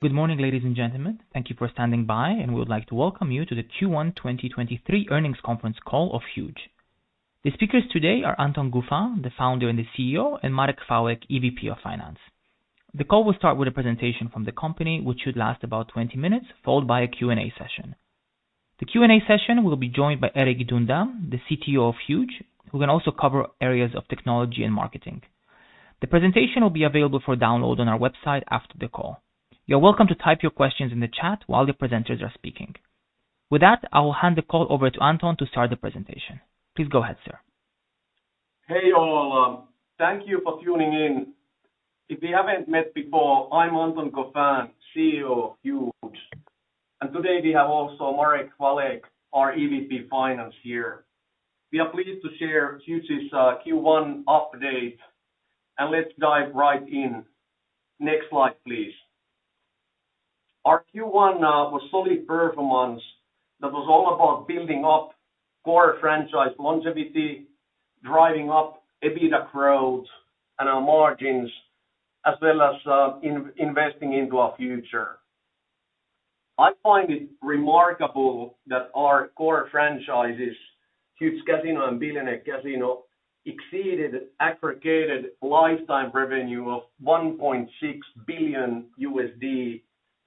Good morning, ladies and gentlemen. Thank you for standing by, and we would like to welcome you to the Q1 2023 earnings conference call of Huuuge. The speakers today are Anton Gauffin, the founder and the CEO, and Marek Chwałek, EVP of Finance. The call will start with a presentation from the company, which should last about 20 minutes, followed by a Q&A session. The Q&A session will be joined by Erik Duindam, the CTO of Huuuge, who will also cover areas of technology and marketing. The presentation will be available for download on our website after the call. You're welcome to type your questions in the chat while the presenters are speaking. With that, I will hand the call over to Anton to start the presentation. Please go ahead, sir. Hey, all. Thank you for tuning in. If we haven't met before, I'm Anton Gauffin, CEO of Huuuge, and today we have also Marek Chwałek, our EVP of Finance here. We are pleased to share Huuuge's Q1 update, and let's dive right in. Next slide, please. Our Q1 was solid performance that was all about building up core franchise longevity, driving up EBITDA growth and our margins, as well as investing into our future. I find it remarkable that our core franchises, Huuuge Casino and Billionaire Casino, exceeded aggregated lifetime revenue of $1.6 billion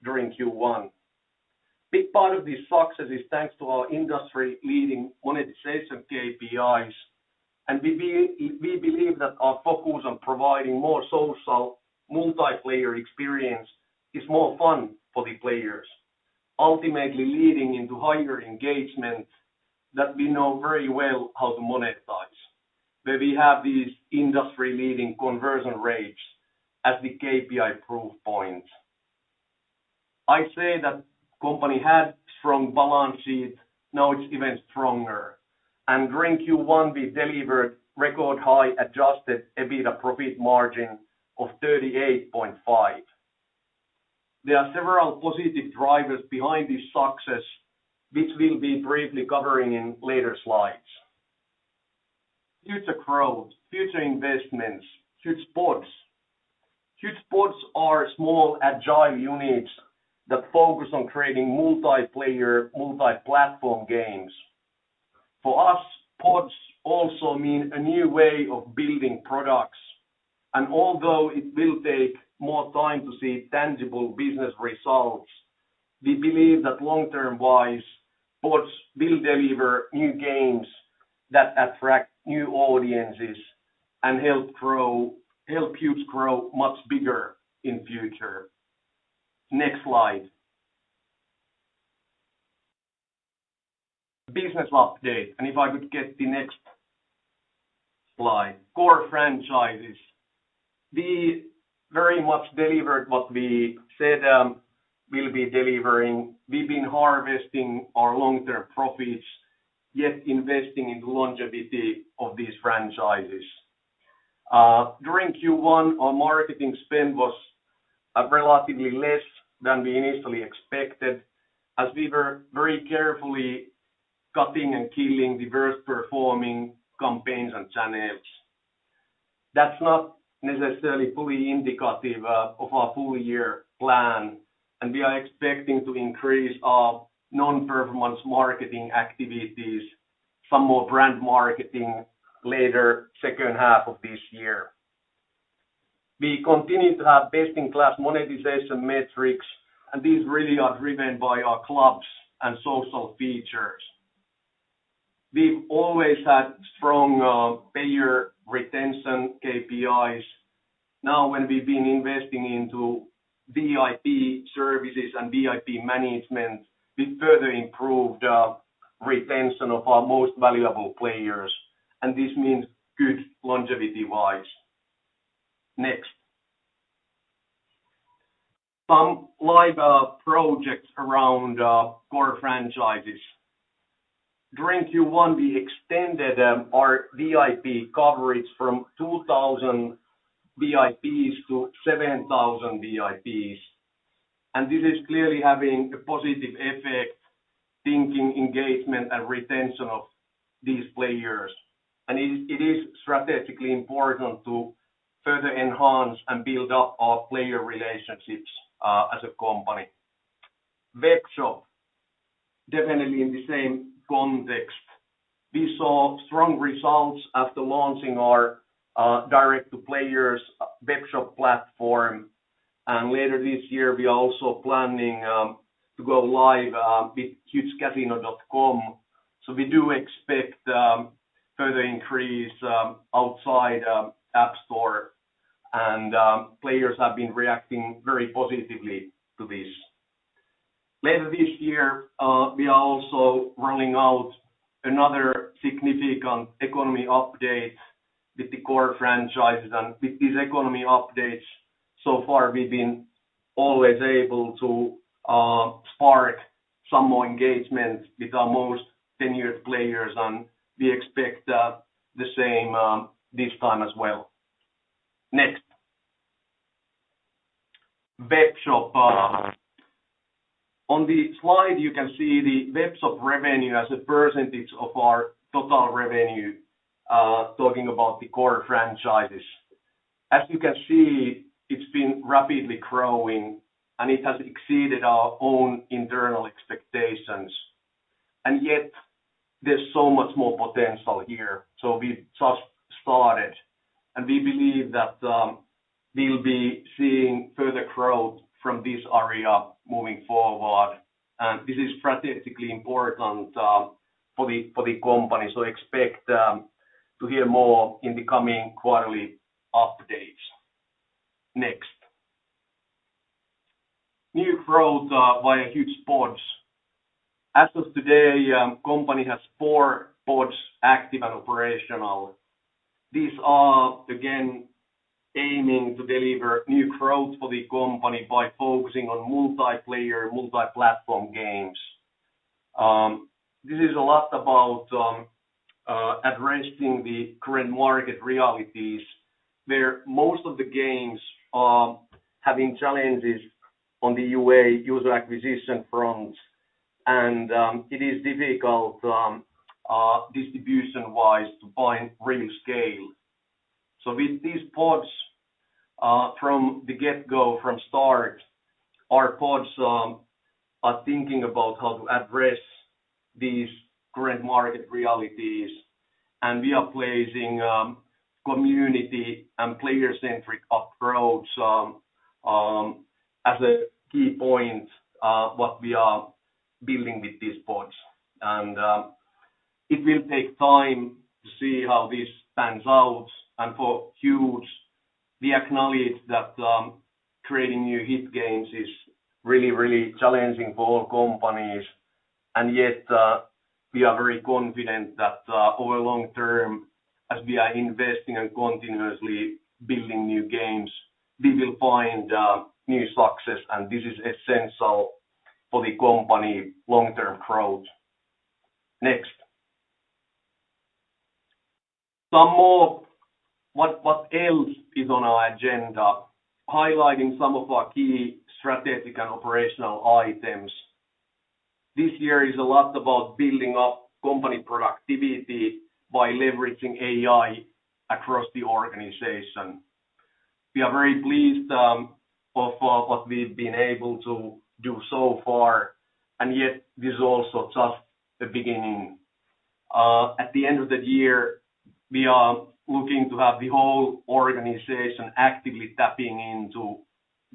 during Q1. Big part of this success is thanks to our industry-leading monetization KPIs, and we believe that our focus on providing more social multiplayer experience is more fun for the players, ultimately leading into higher engagement that we know very well how to monetize, where we have these industry-leading conversion rates as the KPI proof point. I say that company had strong balance sheet, now it's even stronger, and during Q1, we delivered record high adjusted EBITDA profit margin of 38.5%. There are several positive drivers behind this success, which we'll be briefly covering in later slides. Future growth, future investments, Huuuge Pods. Huuuge Pods are small, agile units that focus on creating multiplayer, multi-platform games. For us, Pods also mean a new way of building products, although it will take more time to see tangible business results, we believe that long-term wise, Pods will deliver new games that attract new audiences and help Huuuge grow much bigger in future. Next slide. Business update, if I could get the next slide. Core franchises. We very much delivered what we said, we'll be delivering. We've been harvesting our long-term profits, yet investing in the longevity of these franchises. During Q1, our marketing spend was relatively less than we initially expected, as we were very carefully cutting and killing diverse performing campaigns and channels. That's not necessarily fully indicative of our full year plan, we are expecting to increase our non-performance marketing activities, some more brand marketing later second half of this year. We continue to have best-in-class monetization metrics, and these really are driven by our clubs and social features. We've always had strong payer retention, KPIs. Now, when we've been investing into VIP services and VIP management, we further improved retention of our most valuable players, and this means good longevity wise. Next. Some live projects around core franchises. During Q1, we extended our VIP coverage from 2,000 VIPs-7,000 VIPs, and this is clearly having a positive effect, thinking, engagement, and retention of these players. It is strategically important to further enhance and build up our player relationships as a company. Webshop, definitely in the same context. We saw strong results after launching our direct to players webshop platform, and later this year we are also planning to go live with huugecasino.com. We do expect further increase outside App Store and players have been reacting very positively to this. Later this year, we are also rolling out another significant economy update with the core franchises. With these economy updates, so far we've been always able to spark some more engagement with our most tenured players, and we expect the same this time as well. Next. Webshop. On the slide, you can see the webshop revenue as a percentage of our total revenue, talking about the core franchises. As you can see, it's been rapidly growing, and it has exceeded our own internal expectations, and yet there's so much more potential here. We've just started, and we believe that we'll be seeing further growth from this area moving forward, and this is strategically important for the company. Expect to hear more in the coming quarterly updates. Next. New growth via Huuuge Pods. As of today, company has four pods active and operational. These are again, aiming to deliver new growth for the company by focusing on multiplayer, multi-platform games. This is a lot about addressing the current market realities, where most of the games are having challenges on the UA, user acquisition front, and it is difficult distribution-wise to find really scale. With these pods, from the get-go, from start, our pods are thinking about how to address these current market realities, and we are placing community and player-centric approach as a key point of what we are building with these pods. It will take time to see how this pans out. For Huuuge, we acknowledge that creating new hit games is really, really challenging for all companies, and yet, we are very confident that over long-term, as we are investing and continuously building new games, we will find new success, and this is essential for the company long-term growth. Next. What else is on our agenda? Highlighting some of our key strategic and operational items. This year is a lot about building up company productivity by leveraging AI across the organization. We are very pleased of what we've been able to do so far, and yet this is also just the beginning. At the end of the year, we are looking to have the whole organization actively tapping into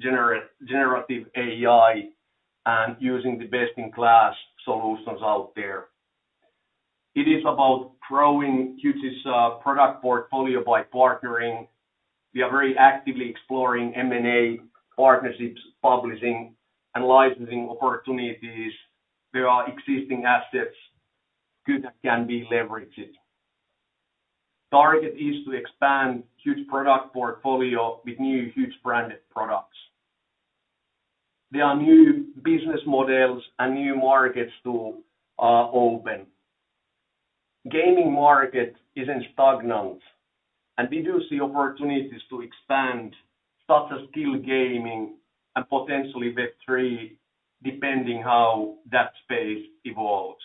generative AI and using the best-in-class solutions out there. It is about growing Huuuge's product portfolio by partnering. We are very actively exploring M&A partnerships, publishing and licensing opportunities, where our existing assets can be leveraged. Target is to expand Huuuge product portfolio with new Huuuge branded products. There are new business models and new markets to open. Gaming market isn't stagnant, and we do see opportunities to expand, such as skill gaming and potentially Web3, depending how that space evolves.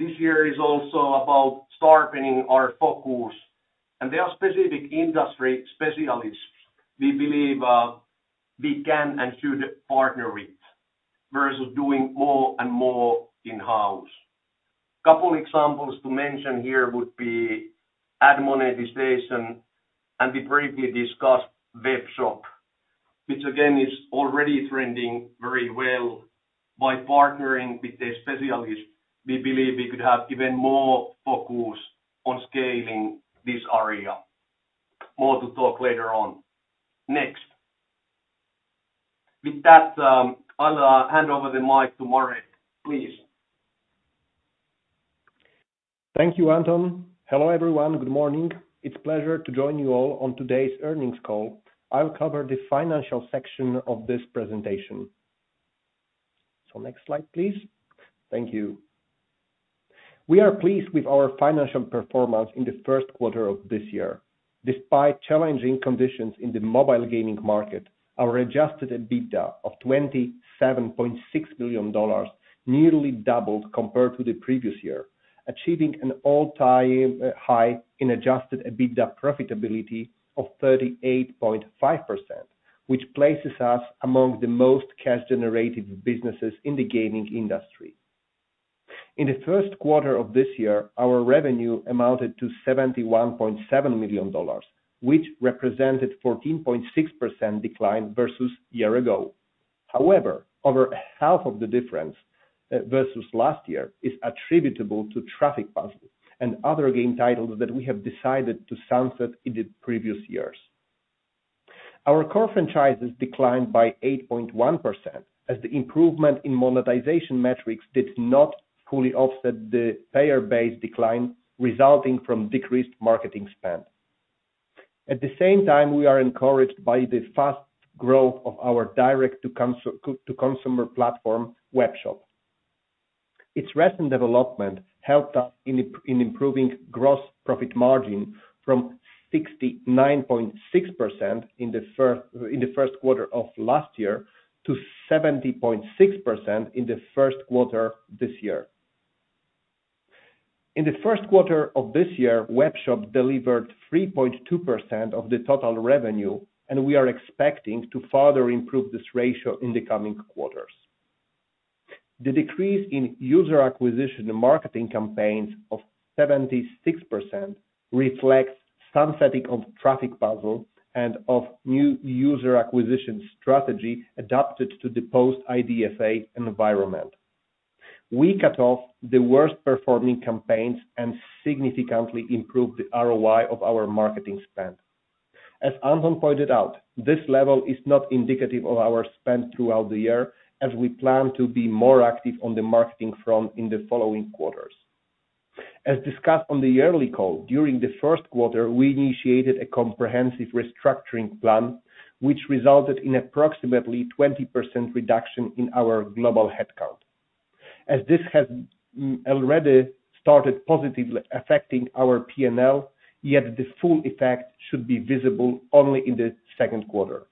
This year is also about sharpening our focus, and there are specific industry specialists we believe we can and should partner with, versus doing more and more in-house. Couple examples to mention here would be ad monetization, and we briefly discussed Webshop, which again, is already trending very well. By partnering with a specialist, we believe we could have even more focus on scaling this area. More to talk later on. Next. With that, I'll hand over the mic to Marek, please. Thank you, Anton. Hello, everyone. Good morning. It's a pleasure to join you all on today's earnings call. I'll cover the financial section of this presentation. Next slide, please. Thank you. We are pleased with our financial performance in the first quarter of this year. Despite challenging conditions in the mobile gaming market, our adjusted EBITDA of $27.6 billion nearly doubled compared to the previous year, achieving an all-time high in adjusted EBITDA profitability of 38.5%, which places us among the most cash generative businesses in the gaming industry. In the first quarter of this year, our revenue amounted to $71.7 million, which represented 14.6% decline versus year ago. However, over half of the difference, versus last year is attributable to Traffic Puzzle and other game titles that we have decided to sunset in the previous years. Our core franchises declined by 8.1%, as the improvement in monetization metrics did not fully offset the payer base decline, resulting from decreased marketing spend. At the same time, we are encouraged by the fast growth of our direct to consumer platform, Webshop. Its recent development helped us in improving gross profit margin from 69.6% in the first quarter of last year, to 70.6% in the first quarter this year. In the first quarter of this year, Webshop delivered 3.2% of the total revenue, and we are expecting to further improve this ratio in the coming quarters. The decrease in user acquisition and marketing campaigns of 76% reflects sunsetting of Traffic Puzzle and of new user acquisition strategy adapted to the post-IDFA environment. We cut off the worst-performing campaigns and significantly improved the ROI of our marketing spend. As Anton pointed out, this level is not indicative of our spend throughout the year, as we plan to be more active on the marketing front in the following quarters. As discussed on the yearly call, during the first quarter, we initiated a comprehensive restructuring plan, which resulted in approximately 20% reduction in our global headcount. This has already started positively affecting our P&L, yet the full effect should be visible only in the second quarter.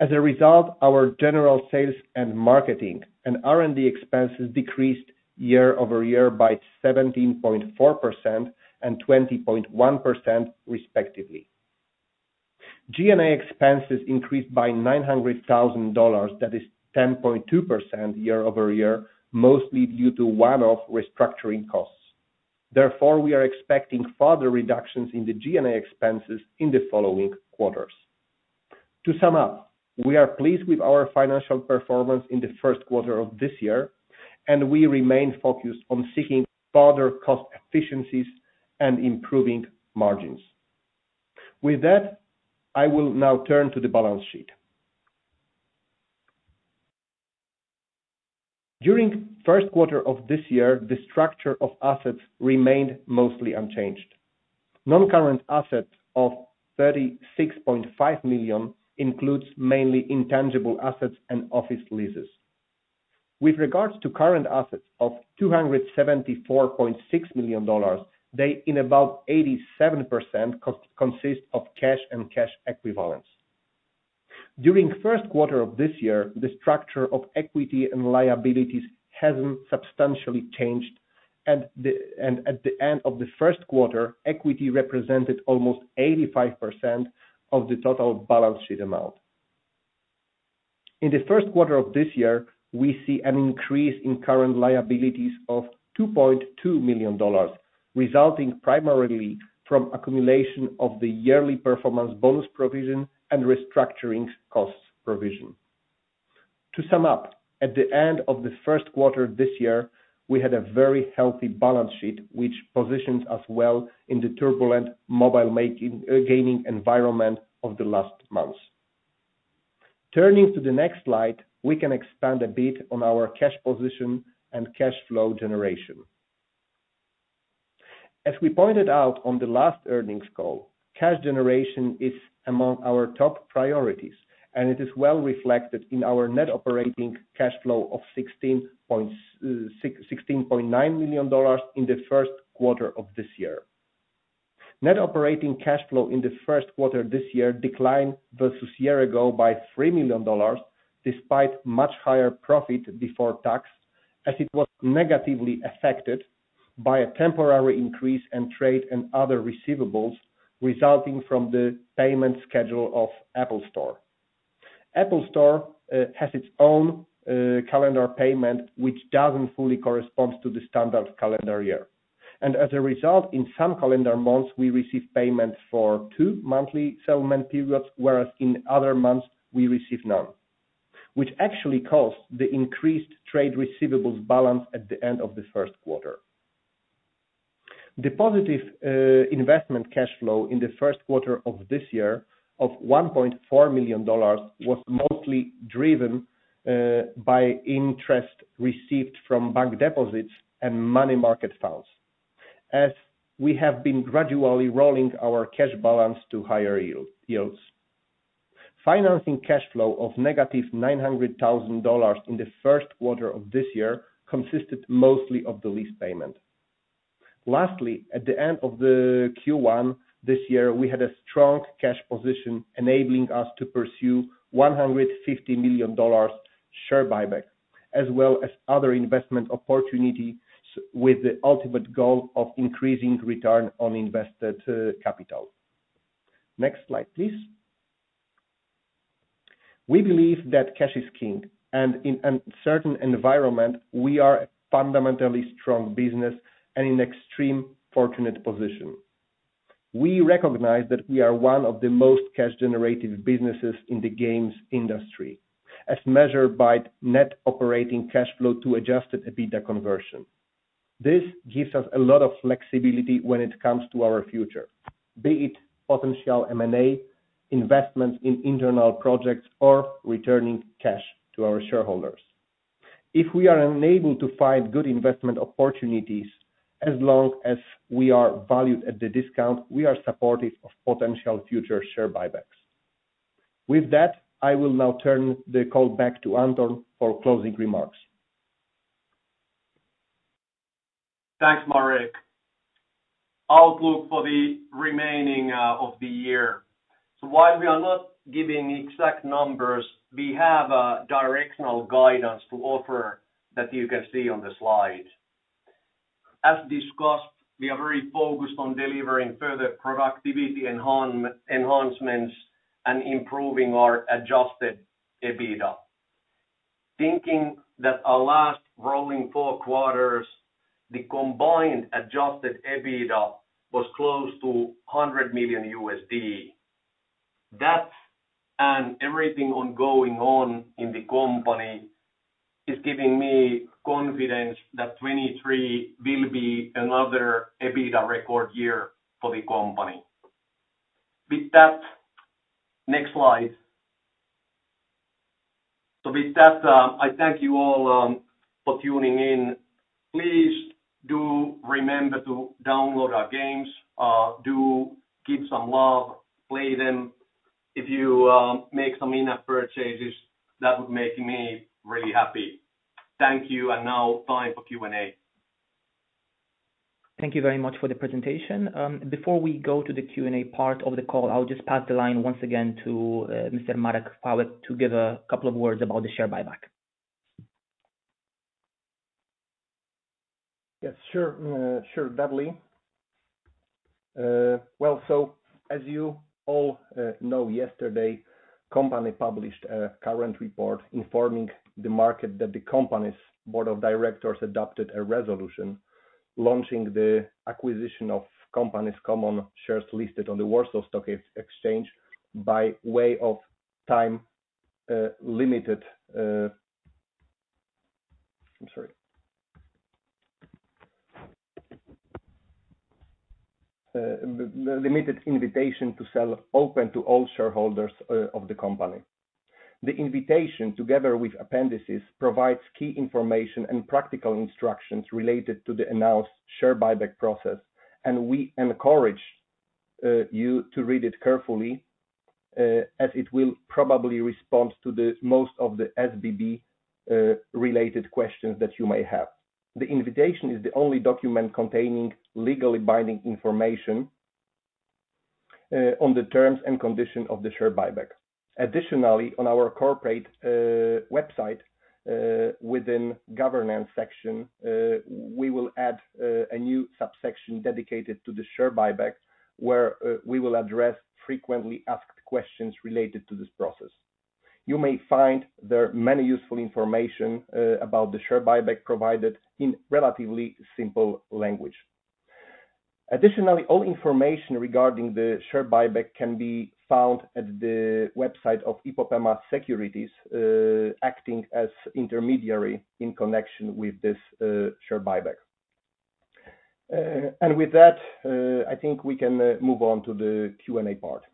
As a result, our general sales and marketing and R&D expenses decreased year-over-year by 17.4% and 20.1% respectively. G&A expenses increased by $900,000, that is 10.2% year-over-year, mostly due to one-off restructuring costs. Therefore, we are expecting further reductions in the G&A expenses in the following quarters. To sum up, we are pleased with our financial performance in the first quarter of this year, and we remain focused on seeking further cost efficiencies and improving margins. With that, I will now turn to the balance sheet. During first quarter of this year, the structure of assets remained mostly unchanged. Non-current assets of $36.5 million includes mainly intangible assets and office leases. With regards to current assets of $274.6 million, they in about 87% consist of cash and cash equivalents. During first quarter of this year, the structure of equity and liabilities hasn't substantially changed. At the end of the first quarter, equity represented almost 85% of the total balance sheet amount. In the first quarter of this year, we see an increase in current liabilities of $2.2 million, resulting primarily from accumulation of the yearly performance bonus provision and restructuring costs provision. To sum up, at the end of the first quarter this year, we had a very healthy balance sheet, which positions us well in the turbulent mobile gaming environment of the last months. Turning to the next slide, we can expand a bit on our cash position and cash flow generation. As we pointed out on the last earnings call, cash generation is among our top priorities, and it is well reflected in our net operating cash flow of $16.9 million in the first quarter of this year. Net operating cash flow in the first quarter this year declined versus year ago by $3 million, despite much higher profit before tax, as it was negatively affected by a temporary increase in trade and other receivables, resulting from the payment schedule of App Store. App Store has its own calendar payment, which doesn't fully correspond to the standard calendar year. As a result, in some calendar months, we receive payments for two monthly settlement periods, whereas in other months we receive none, which actually caused the increased trade receivables balance at the end of the first quarter. The positive investment cash flow in the first quarter of this year of $1.4 million was mostly driven by interest received from bank deposits and money market funds, as we have been gradually rolling our cash balance to higher yields. Financing cash flow of -$900,000 in the first quarter of this year consisted mostly of the lease payment. Lastly, at the end of the Q1 this year, we had a strong cash position, enabling us to pursue $150 million share buyback, as well as other investment opportunities, with the ultimate goal of increasing return on invested capital. Next slide, please. We believe that cash is king. In an uncertain environment, we are a fundamentally strong business and in extreme fortunate position. We recognize that we are one of the most cash-generative businesses in the games industry, as measured by net operating cash flow to adjusted EBITDA conversion. This gives us a lot of flexibility when it comes to our future, be it potential M&A, investments in internal projects, or returning cash to our shareholders. If we are unable to find good investment opportunities as long as we are valued at the discount, we are supportive of potential future share buybacks. I will now turn the call back to Anton for closing remarks. Thanks, Marek. Outlook for the remaining of the year. While we are not giving exact numbers, we have a directional guidance to offer that you can see on the slide. As discussed, we are very focused on delivering further productivity enhancements and improving our adjusted EBITDA. Thinking that our last rolling four quarters, the combined adjusted EBITDA was close to $100 million. That and everything ongoing on in the company is giving me confidence that 2023 will be another EBITDA record year for the company. With that, next slide. With that, I thank you all for tuning in. Please do remember to download our games, do give some love, play them. If you make some in-app purchases, that would make me really happy. Thank you, and now time for Q&A. Thank you very much for the presentation. Before we go to the Q&A part of the call, I'll just pass the line once again to Mr. Marek Chwałek, to give a couple of words about the share buyback. Yes, sure, gladly. As you all know, yesterday, company published a current report informing the market that the company's board of directors adopted a resolution, launching the acquisition of company's common shares listed on the Warsaw Stock Exchange by way of limited invitation to sell open to all shareholders of the company. The invitation, together with appendices, provides key information and practical instructions related to the announced share buyback process. We encourage you to read it carefully, as it will probably respond to the most of the SBB related questions that you may have. The invitation is the only document containing legally binding information on the terms and conditions of the share buyback. Additionally, on our corporate website, within governance section, we will add a new subsection dedicated to the share buyback, where we will address frequently asked questions related to this process. You may find there are many useful information about the share buyback provided in relatively simple language. Additionally, all information regarding the share buyback can be found at the website of Ipopema Securities, acting as intermediary in connection with this share buyback. With that, I think we can move on to the Q&A part.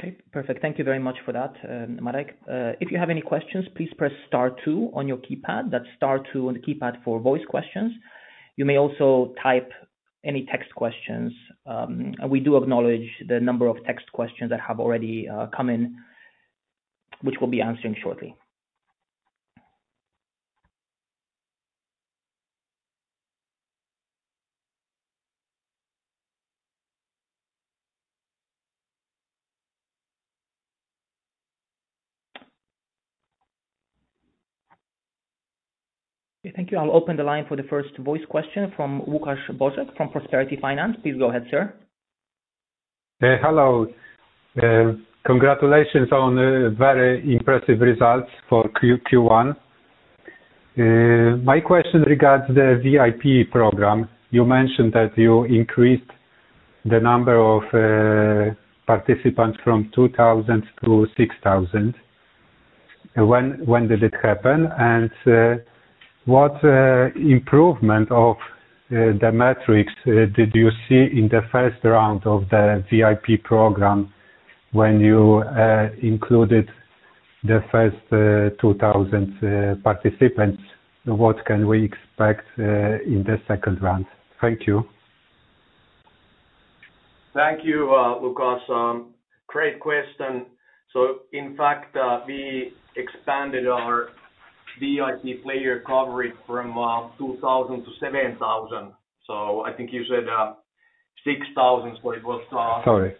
Okay, perfect. Thank you very much for that, Marek. If you have any questions, please press star two on your keypad. That's star two on the keypad for voice questions. You may also type any text questions, and we do acknowledge the number of text questions that have already come in, which we'll be answering shortly. Okay, thank you. I'll open the line for the first voice question from Łukasz Bożek from Prosperity Finance. Please go ahead, sir. Hello. Congratulations on very impressive results for Q1. My question regards the VIP program. You mentioned that you increased the number of participants from 2,000-6,000. When did it happen? What improvement of the metrics did you see in the first round of the VIP program when you included the first 2,000 participants? What can we expect in the second round? Thank you. Thank you, Łukasz. Great question. In fact, we expanded our VIP player coverage from 2,000-7,000. I think you said 6,000, but it was. Sorry.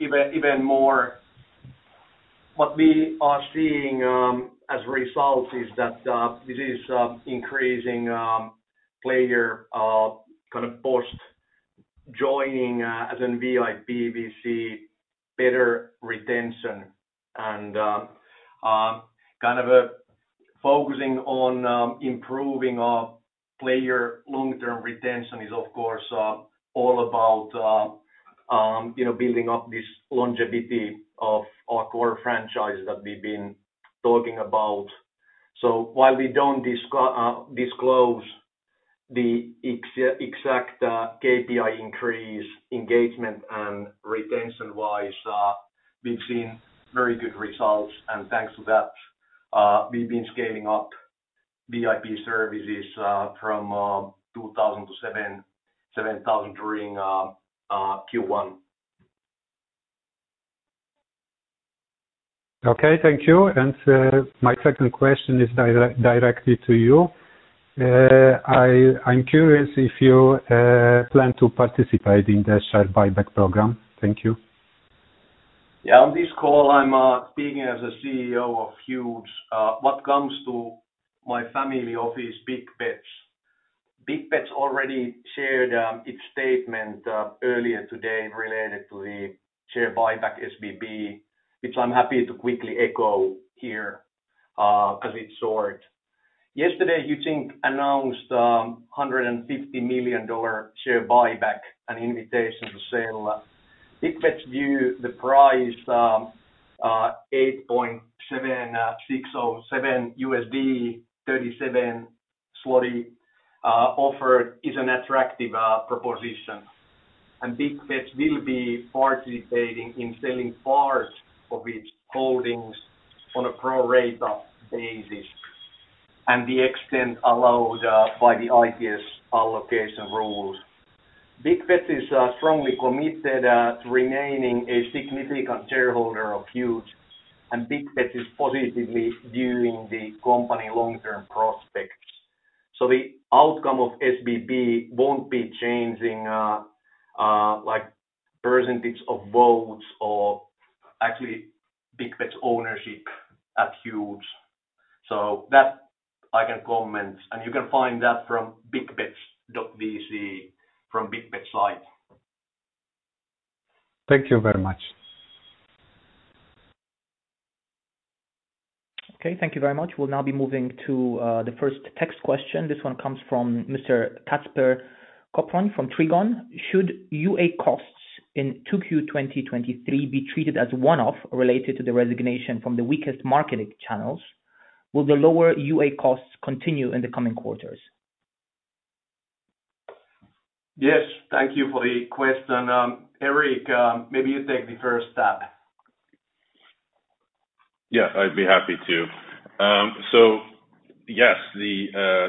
Even more. What we are seeing as a result is that this is increasing player kind of post joining as in VIP, we see better retention. Kind of focusing on improving our player long-term retention is of course all about you know building up this longevity of our core franchises that we've been talking about. While we don't disclose the exact KPI increase, engagement, and retention-wise, we've seen very good results, and thanks to that, we've been scaling up VIP services from 2,000-7,000 during Q1. Okay, thank you. My second question is directly to you. I'm curious if you, plan to participate in the share buyback program. Thank you. Yeah, on this call, I'm speaking as a CEO of Huuuge. What comes to my family office, Big Bets. Big Bets already shared its statement earlier today related to the share buyback SBB, which I'm happy to quickly echo here. Yesterday, you think announced $150 million share buyback and invitation to sell. Big Bets view the price $8.7607, 37 zloty, offer is an attractive proposition. Big Bets will be participating in selling parts of its holdings on a pro rata basis, and the extent allowed by the ITS allocation rules. Big Bets is strongly committed to remaining a significant shareholder of Huuuge, and Big Bets is positively viewing the company long-term prospects. The outcome of SBB won't be changing, like percentage of votes or actually Big Bets ownership at Huuuge. That I can comment, and you can find that from bigbets.vc, from Big Bets live. Thank you very much. Okay, thank you very much. We'll now be moving to the first text question. This one comes from Mr. Kacper Koproń from Trigon. Should UA costs in 2Q 2023 be treated as one-off related to the resignation from the weakest marketing channels? Will the lower UA costs continue in the coming quarters? Yes, thank you for the question. Erik, maybe you take the first step. Yeah, I'd be happy to. Yes, the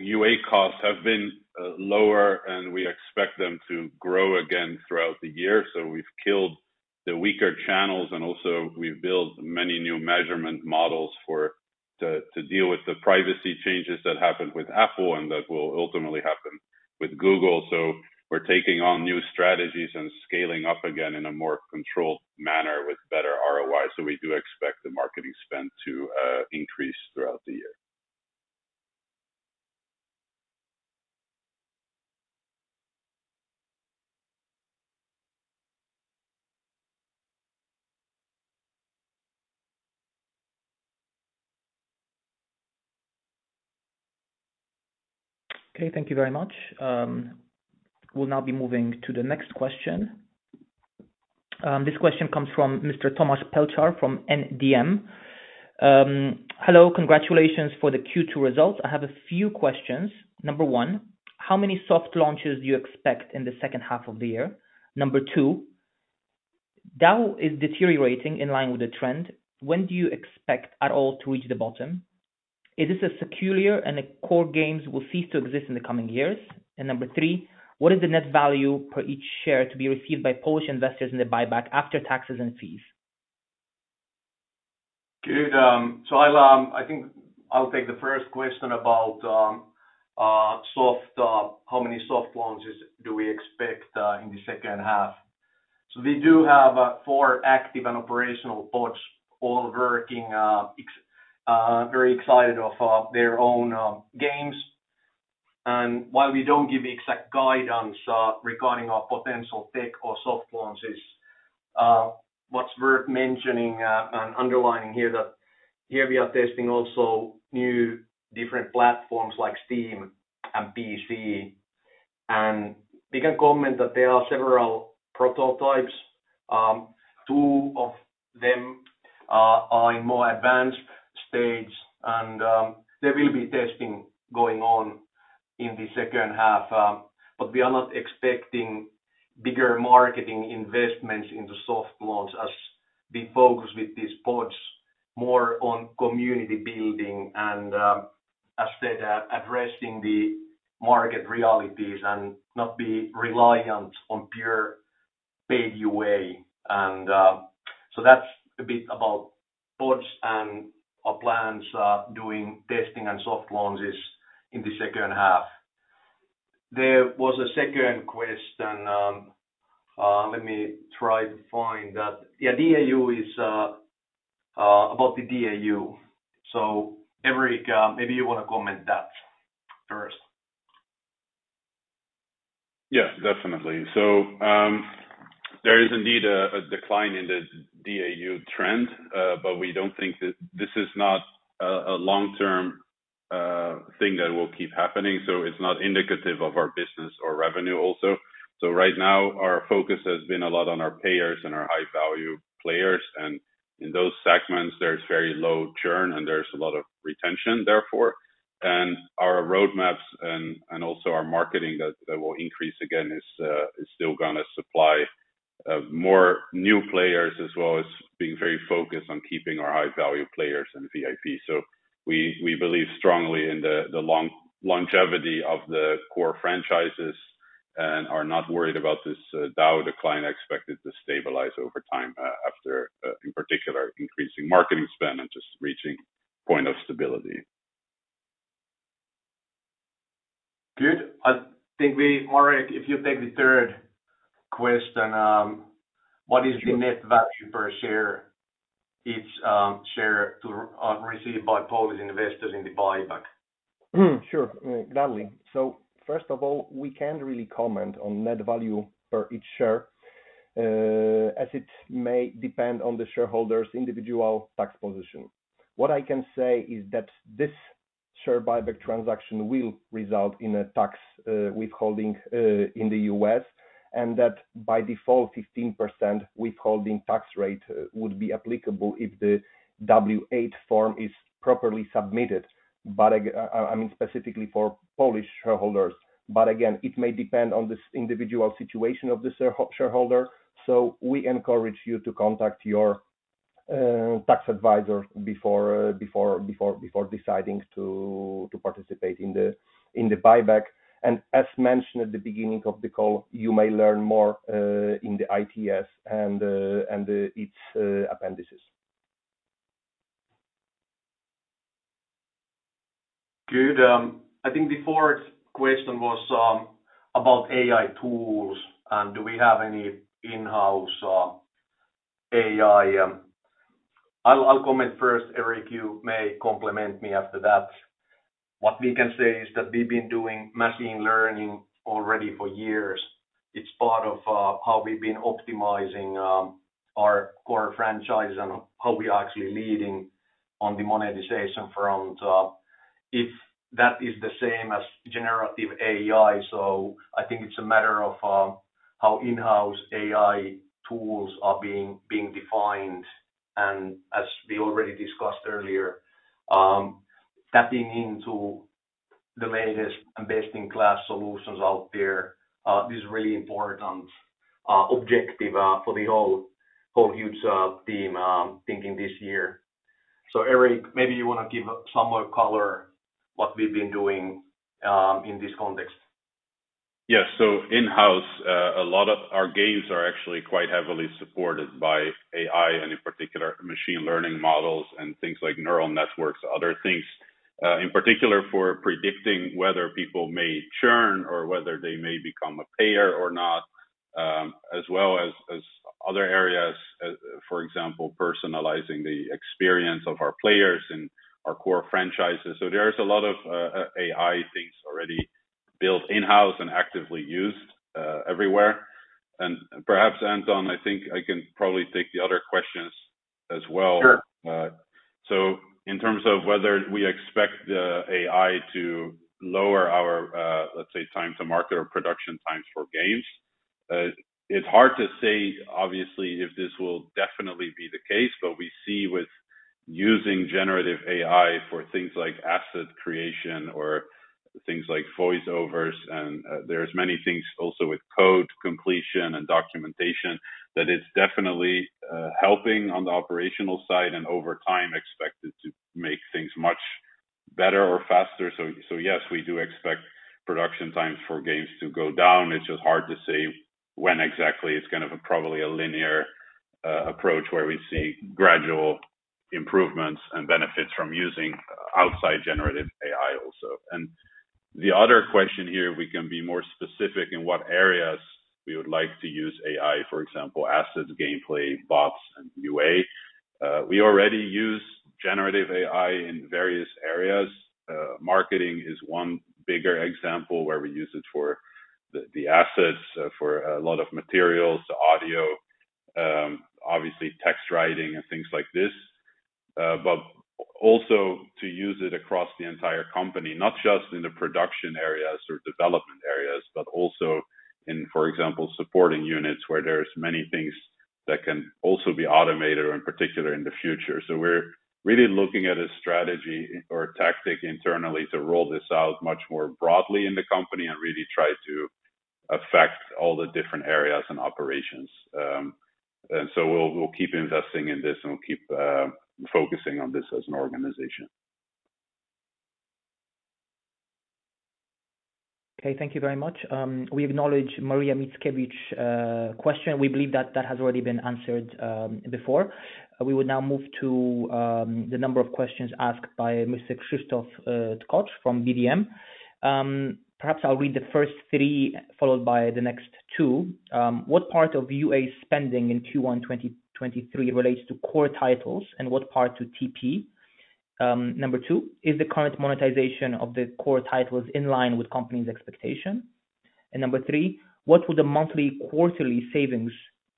UA costs have been lower, and we expect them to grow again throughout the year. We've killed the weaker channels, and also we've built many new measurement models to deal with the privacy changes that happened with Apple and that will ultimately happen with Google. We're taking on new strategies and scaling up again in a more controlled manner with better ROI. We do expect the marketing spend to increase throughout the year. Okay, thank you very much. We'll now be moving to the next question. This question comes from Mr. Tomaž Pelc from BDM. Hello, congratulations for the Q2 results. I have a few questions. Number one, how many soft launches do you expect in the second half of the year? Number two, DAU is deteriorating in line with the trend. When do you expect at all to reach the bottom? Is this a secular and the core games will cease to exist in the coming years? Number three, what is the net value per each share to be received by Polish investors in the buyback after taxes and fees? Good, so I'll, I think I'll take the first question about how many soft launches do we expect in the second half? We do have four active and operational pods all working, very excited of their own games. While we don't give exact guidance regarding our potential tech or soft launches, what's worth mentioning and underlining here, that here we are testing also new different platforms like Steam and PC. We can comment that there are several prototypes. Two of them are in more advanced stage, and there will be testing going on in the second half. We are not expecting bigger marketing investments in the soft launch as we focus with these pods more on community building and, as I said, addressing the market realities and not be reliant on pure pay your way. That's a bit about pods and our plans, doing testing and soft launches in the second half. There was a second question, let me try to find that. Yeah, DAU is about the DAU. Erik, maybe you want to comment that first. Yes, definitely. There is indeed a decline in the DAU trend, but we don't think this is not a long-term thing that will keep happening, so it's not indicative of our business or revenue also. Right now, our focus has been a lot on our payers and our high-value players, and in those segments, there's very low churn, and there's a lot of retention, therefore. Our roadmaps and also our marketing that will increase again, is still gonna supply more new players, as well as being very focused on keeping our high-value players and VIP. We believe strongly in the longevity of the core franchises and are not worried about this DAU decline, expected to stabilize over time, after, in particular, increasing marketing spend and just reaching point of stability. Good. I think Marek, if you take the third question, what is the net value per share, each share to received by Polish investors in the buyback? Sure, gladly. First of all, we can't really comment on net value per each share, as it may depend on the shareholder's individual tax position. What I can say is that this share buyback transaction will result in a tax withholding in the U.S., and that by default, 15% withholding tax rate would be applicable if the W-8 form is properly submitted. I mean, specifically for Polish shareholders. Again, it may depend on this individual situation of the shareholder, so we encourage you to contact your tax advisor before deciding to participate in the buyback. As mentioned at the beginning of the call, you may learn more in the ITS and its appendices. Good. I think the fourth question was about AI tools and do we have any in-house AI? I'll comment first, Erik, you may compliment me after that. What we can say is that we've been doing machine learning already for years. It's part of how we've been optimizing our core franchise and how we are actually leading on the monetization front. If that is the same as generative AI, I think it's a matter of how in-house AI tools are being defined. As we already discussed earlier, tapping into the latest and best-in-class solutions out there, is really important objective for the whole Huuuge team thinking this year. Erik, maybe you want to give some more color, what we've been doing in this context. Yes. In-house, a lot of our games are actually quite heavily supported by AI, and in particular, machine learning models and things like neural networks, other things. In particular, for predicting whether people may churn or whether they may become a payer or not, as well as other areas, for example, personalizing the experience of our players and our core franchises. There is a lot of AI things already built in-house and actively used everywhere. Perhaps, Anton, I think I can probably take the other questions as well. Sure. In terms of whether we expect the AI to lower our, let's say, time to market or production times for games, it's hard to say, obviously, if this will definitely be the case, but we see with using generative AI for things like asset creation or things like voice-overs, and, there's many things also with code completion and documentation, that it's definitely helping on the operational side, and over time, expected to make things much better or faster. Yes, we do expect production times for games to go down. It's just hard to say when exactly. It's kind of a probably a linear approach, where we see gradual improvements and benefits from using outside generative AI also. The other question here, we can be more specific in what areas we would like to use AI, for example, assets, gameplay, pods, and UA. We already use generative AI in various areas. Marketing is one bigger example where we use it for the assets, for a lot of materials, audio, obviously text writing and things like this. But also to use it across the entire company, not just in the production areas or development areas, but also in, for example, supporting units, where there's many things that can also be automated, in particular in the future. We're really looking at a strategy or tactic internally to roll this out much more broadly in the company and really try to affect all the different areas and operations. We'll keep investing in this, and we'll keep focusing on this as an organization. Okay, thank you very much. We acknowledge Maria Mickiewicz question. We believe that that has already been answered before. We would now move to the number of questions asked by Mr. Christoph Scott from BDM. Perhaps I'll read the first three, followed by the next two. What part of UA spending in Q1 2023 relates to core titles, and what part to TP? Number two, is the current monetization of the core titles in line with company's expectation? Number three, what would the monthly quarterly savings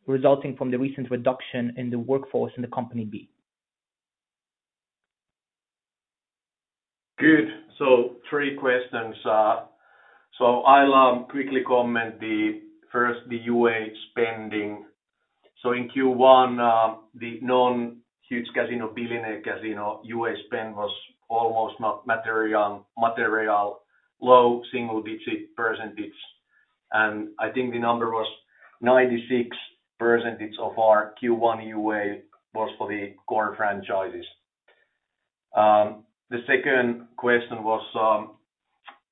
resulting from the recent reduction in the workforce in the company be? Good. Three questions. I'll quickly comment the first, the UA spending. In Q1, the non-Huuuge Casino, Billionaire Casino, UA spend was almost not material, low single-digit %. I think the number was 96% of our Q1 UA was for the core franchises. The second question was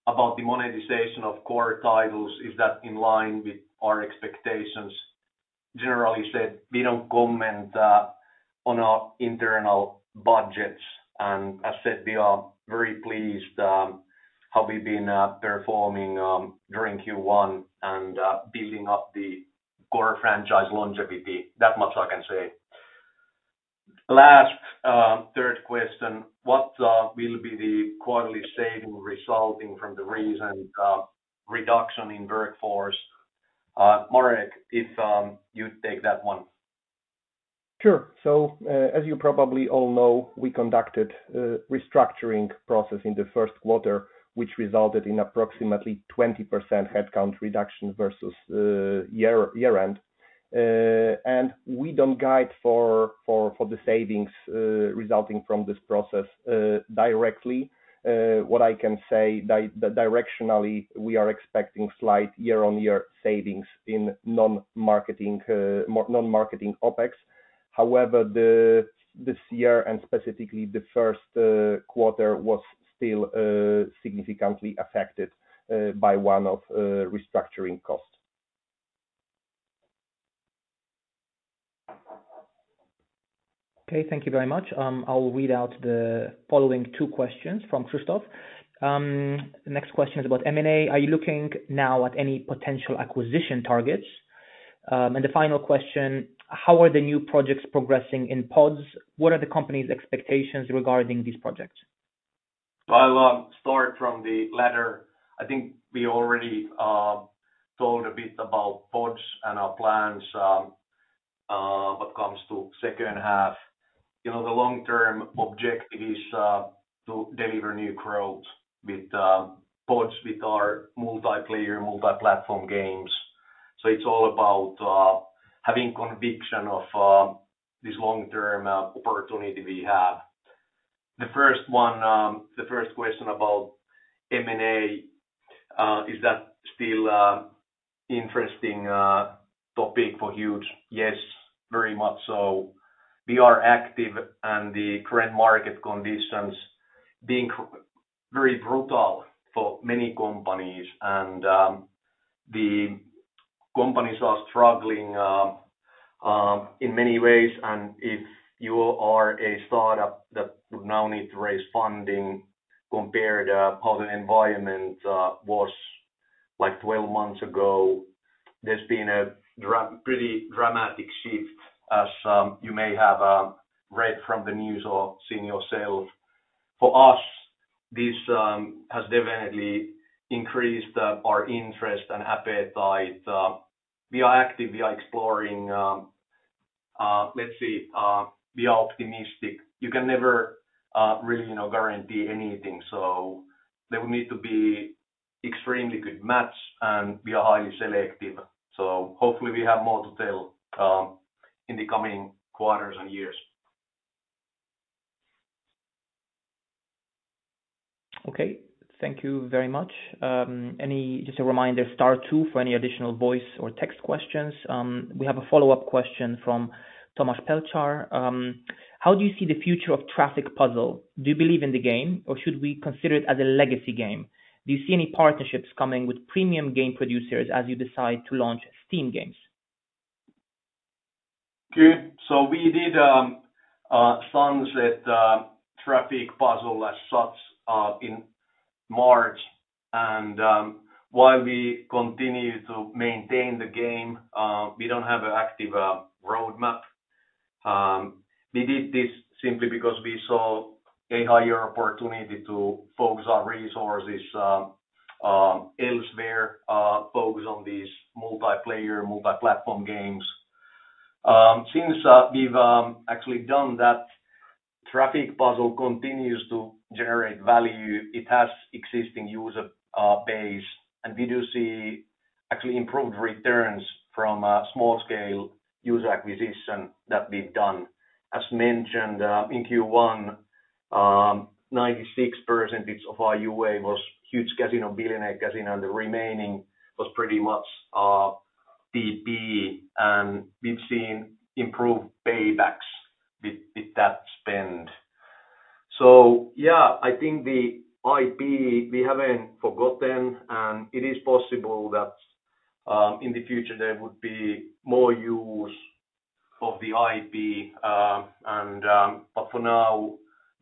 about the monetization of core titles. Is that in line with our expectations? Generally said, we don't comment on our internal budgets, and as said, we are very pleased how we've been performing during Q1 and building up the core franchise longevity. That much I can say. Last, third question, what will be the quarterly saving resulting from the recent reduction in workforce? Marek, if you take that one. Sure. As you probably all know, we conducted a restructuring process in Q1, which resulted in approximately 20% headcount reduction versus year-end. We don't guide for the savings resulting from this process directly. What I can say directionally, we are expecting slight year-on-year savings in non-marketing non-marketing OpEx. However, this year and specifically Q1, was still significantly affected by one-off restructuring costs. Okay, thank you very much. I'll read out the following two questions from Christophe. The next question is about M&A. Are you looking now at any potential acquisition targets? The final question, how are the new projects progressing in pods? What are the company's expectations regarding these projects? I'll start from the latter. I think we already told a bit about Pods and our plans what comes to second half. You know, the long-term objective is to deliver new growth with Pods, with our multiplayer, multi-platform games. It's all about having conviction of this long-term opportunity we have. The first one, the first question about M&A, is that still a interesting topic for Huuuge? Yes, very much so. We are active, the current market conditions being very brutal for many companies and the companies are struggling in many ways. If you are a startup that would now need to raise funding compared, how the environment was like 12 months ago, there's been a pretty dramatic shift, as you may have read from the news or seen yourself. For us, this has definitely increased our interest and appetite. We are active, we are exploring, let's say, we are optimistic. You can never really, you know, guarantee anything, so there will need to be extremely good match, and we are highly selective. Hopefully we have more to tell in the coming quarters and years. Okay, thank you very much. Just a reminder, star two for any additional voice or text questions. We have a follow-up question from Tomaž Pelc. How do you see the future of Traffic Puzzle? Do you believe in the game, or should we consider it as a legacy game? Do you see any partnerships coming with premium game producers as you decide to launch Steam games? We did sunset Traffic Puzzle as such in March. While we continue to maintain the game, we don't have an active roadmap. We did this simply because we saw a higher opportunity to focus on resources elsewhere, focus on these multiplayer, multi-platform games. Since we've actually done that, Traffic Puzzle continues to generate value. It has existing user base, and we do see actually improved returns from a small scale user acquisition that we've done. As mentioned, in Q1, 96% of our UA was Huuuge Casino, Billionaire Casino, and the remaining was pretty much PP. We've seen improved paybacks with that spend. Yeah, I think the IP, we haven't forgotten. It is possible that, in the future there would be more use of the IP. For now,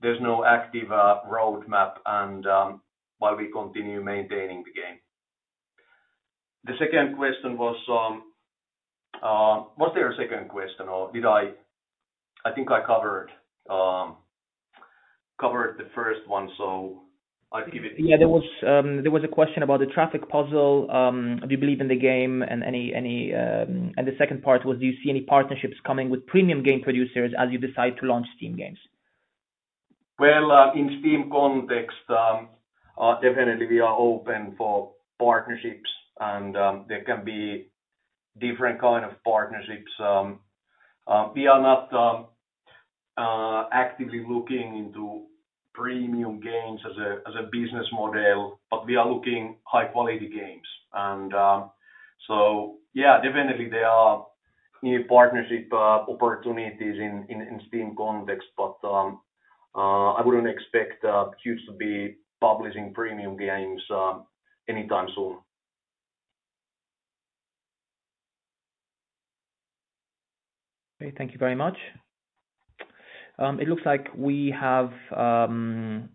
there's no active, roadmap and, while we continue maintaining the game. The second question was there a second question or I think I covered the first one. I'll give it to you. Yeah, there was a question about the Traffic Puzzle. Do you believe in the game and any… The second part was, do you see any partnerships coming with premium game producers as you decide to launch Steam games? Well, in Steam context, definitely we are open for partnerships and there can be different kind of partnerships. We are not actively looking into premium games as a business model, but we are looking high quality games. Yeah, definitely there are new partnership opportunities in Steam context, but I wouldn't expect Huuuge to be publishing premium games anytime soon. Okay, thank you very much. It looks like we have no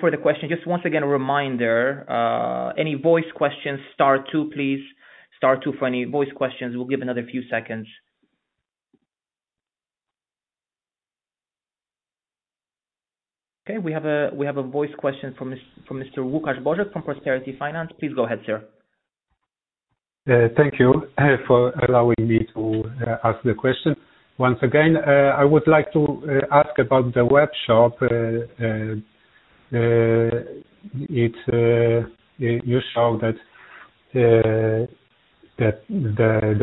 further question. Just once again, a reminder, any voice questions, star two, please. Star two for any voice questions. We'll give another few seconds. Okay, we have a voice question from Mr. Łukasz Bożek, from Prosperity Finance. Please go ahead, sir. Thank you for allowing me to ask the question. Once again, I would like to ask about the Webshop. It's, you show that the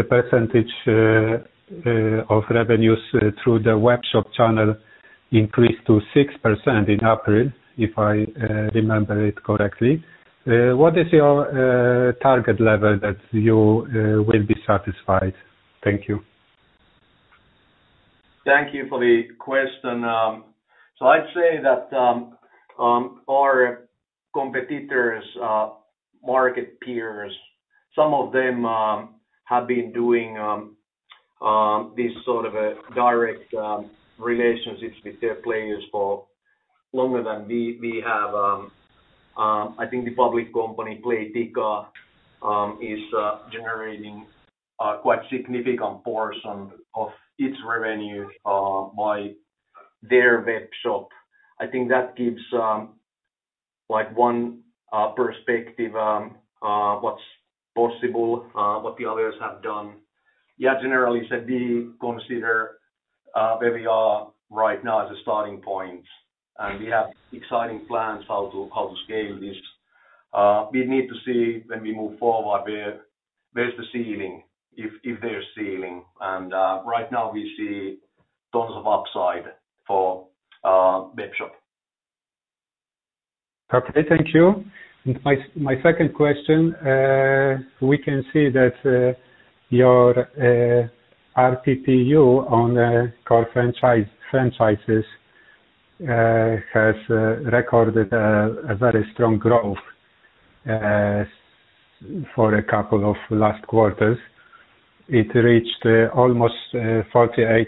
percentage of revenues through the Webshop channel increased to 6% in April, if I remember it correctly. What is your target level that you will be satisfied? Thank you. Thank you for the question. I'd say that our competitors, market peers, some of them have been doing these sort of direct relationships with their players for longer than we have. I think the public company, Playtika, is generating quite significant portion of its revenue by their webshop. I think that gives like one perspective what's possible, what the others have done. Yeah, generally said, we consider where we are right now as a starting point, and we have exciting plans how to, how to scale this. We need to see when we move forward, where's the ceiling, if there's ceiling. Right now, we see tons of upside for webshop. Okay, thank you. My second question, we can see that your ARPPU on core franchises has recorded a very strong growth for a couple of last quarters. It reached almost $48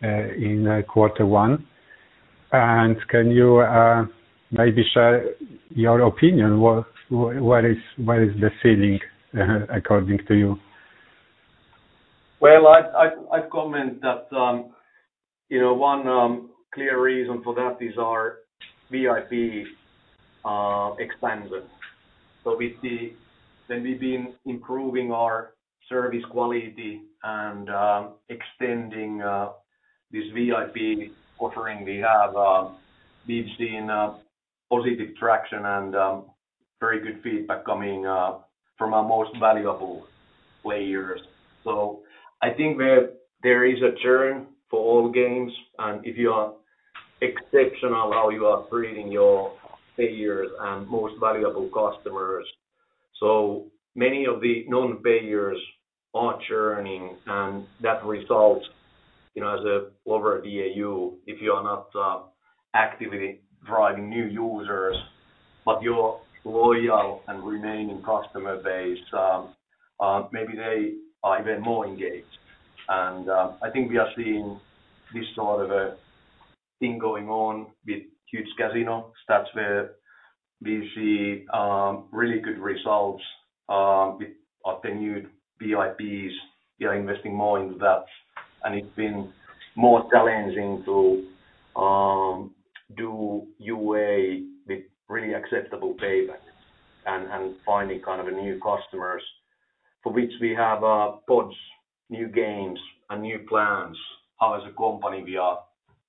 in quarter one. Can you maybe share your opinion, what is the ceiling according to you? Well, I'd comment that, you know, one clear reason for that is our VIP expansion. We see that we've been improving our service quality and extending this VIP offering. We have, we've seen positive traction and very good feedback coming from our most valuable players. I think there is a churn for all games, and if you are exceptional how you are treating your players and most valuable customers, so many of the non-payers are churning, and that results, you know, as a lower DAU, if you are not actively driving new users, but your loyal and remaining customer base, maybe they are even more engaged. I think we are seeing this sort of a thing going on with Huuuge Casino. That's where we see really good results with our renewed VIPs. We are investing more into that. It's been more challenging to do UA with really acceptable payback and finding kind of a new customers, for which we have pods, new games and new plans, how as a company, we are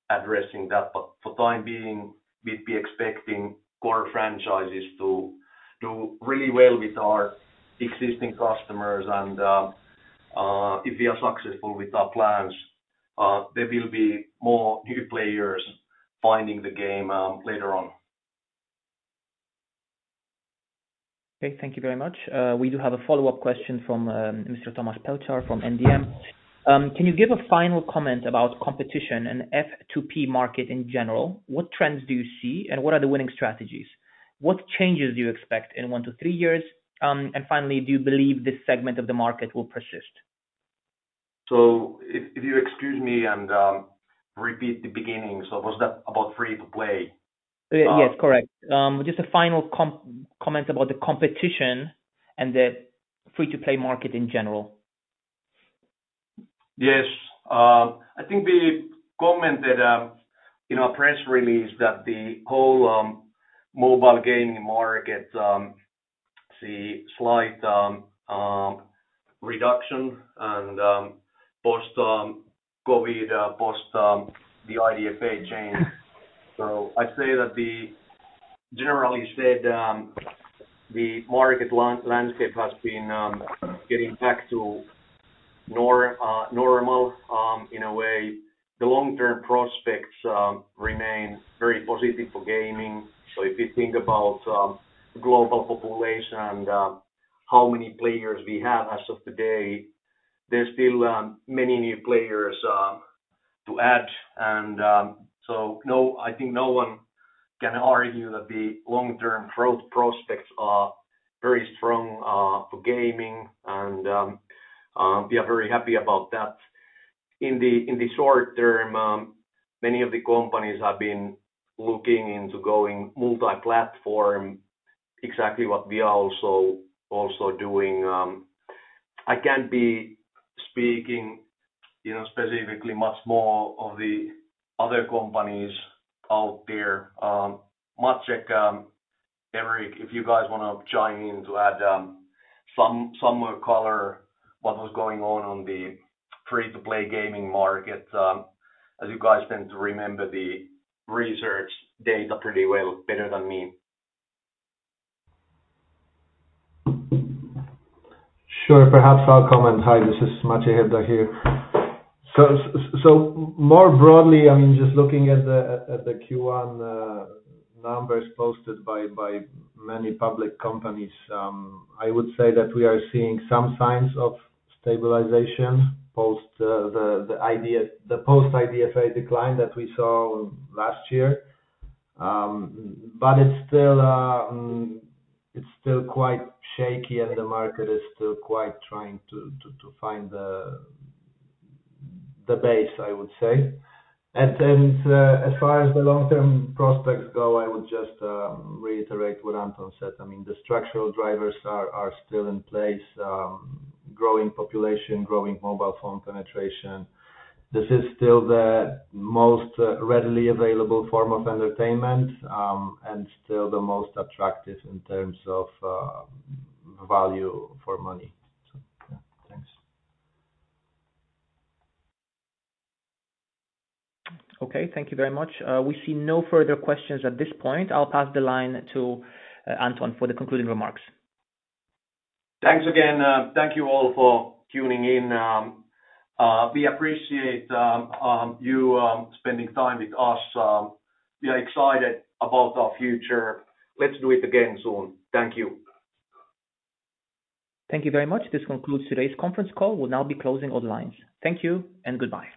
addressing that. For time being, we'd be expecting core franchises to do really well with our existing customers and if we are successful with our plans, there will be more new players finding the game later on. Okay, thank you very much. We do have a follow-up question from Mr. Tomaž Pelc from BDM. Can you give a final comment about competition and F2P market in general? What trends do you see, and what are the winning strategies? What changes do you expect in one to three years? Finally, do you believe this segment of the market will persist? If you excuse me and repeat the beginning. Was that about free to play? Yes, correct. Just a final comment about the competition and the free-to-play market in general. Yes. I think we commented in our press release that the whole mobile gaming market see slight reduction and post COVID, post the IDFA change. I'd say that generally said, the market landscape has been getting back to normal in a way. The long-term prospects remain very positive for gaming. If you think about global population and how many players we have as of today, there's still many new players to add. I think no one can argue that the long-term growth prospects are very strong for gaming, and we are very happy about that. In the short term, many of the companies have been looking into going multi-platform, exactly what we are also doing. I can't be speaking, you know, specifically much more of the other companies out there. Maciej, Erik, if you guys wanna chime in to add some more color, what was going on on the free-to-play gaming market, as you guys tend to remember the research data pretty well, better than me? Sure. Perhaps I'll comment. Hi, this is Maciej Hebda here. More broadly, I mean, just looking at the Q1 numbers posted by many public companies, I would say that we are seeing some signs of stabilization post the post-IDFA decline that we saw last year. It's still, it's still quite shaky, and the market is still quite trying to find the base, I would say. As far as the long-term prospects go, I would just reiterate what Anton said. I mean, the structural drivers are still in place, growing population, growing mobile phone penetration. This is still the most readily available form of entertainment, and still the most attractive in terms of value for money. Yeah, thanks. Okay, thank you very much. We see no further questions at this point. I'll pass the line to Anton for the concluding remarks. Thanks again. Thank you all for tuning in. We appreciate you spending time with us. We are excited about our future. Let's do it again soon. Thank you. Thank you very much. This concludes today's conference call. We'll now be closing all lines. Thank you and goodbye.